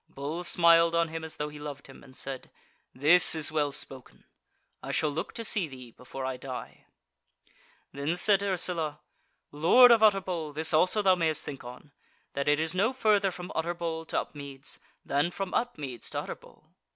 Bull smiled on him as though he loved him, and said: "This is well spoken; I shall look to see thee before I die." Then said Ursula: "Lord of Utterbol, this also thou mayst think on, that it is no further from Utterbol to Upmeads than from Upmeads to Utterbol."